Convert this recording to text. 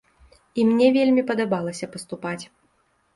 І мне вельмі падабалася паступаць!